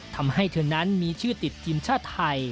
ทำให้เธอนั้นมีชื่อติดทีมชาติไทย